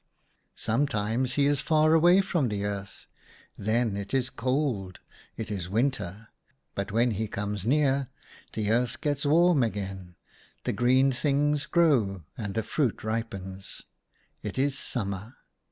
" Sometimes he is far away from the earth. Then it is cold : it is winter. But when he comes near, the earth gets warm again ; the green things grow and the fruit ripens ; it is summer.